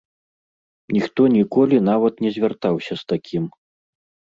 Ніхто ніколі нават не звяртаўся з такім.